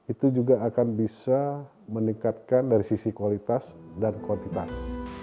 itu juga akan bisa meningkatkan dari sisi kualitas dan kuantitas